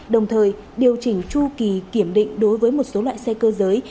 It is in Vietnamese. đồng thời điều chỉnh chu kỳ kiểm định đối với một số loại xe cơ giới